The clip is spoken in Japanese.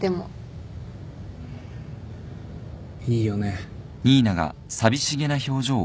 いいよね。